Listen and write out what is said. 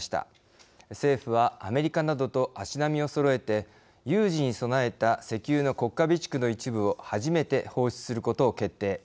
政府はアメリカなどと足並みをそろえて有事に備えた石油の国家備蓄の一部を初めて放出することを決定。